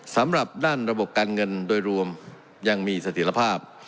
สำหรับด้านระบบการเงินโดยรวมยังมีเสถียรภาพ